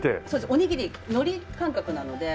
おにぎり海苔感覚なので。